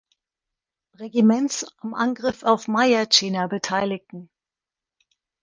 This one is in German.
Regiments am Angriff auf Myitkyina beteiligten.